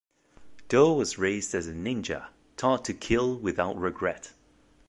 Doe was raised as a ninja, taught to kill without regret.